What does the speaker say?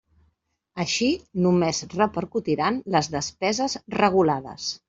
Així, només repercutiran les despeses regulades.